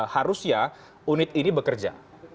harusnya unit ini bekerja